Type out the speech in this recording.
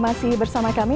masih bersama kami